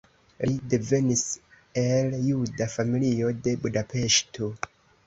Li devenis el juda familio de Budapeŝto.